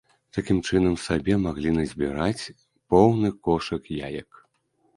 Такім чынам, сабе маглі назбіраць поўны кошык яек.